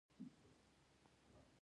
د نقرس لپاره د الوبالو او اوبو ګډول وڅښئ